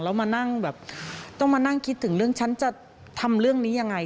แล้วมานั่งแบบต้องมานั่งคิดถึงเรื่องฉันจะทำเรื่องนี้ยังไง